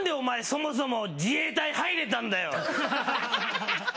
そもそも自衛隊入れたんだよ！